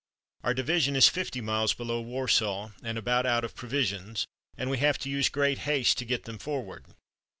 Our division is fifty miles below Warsaw, and about out of provisions, and we have to use great haste to get them forward.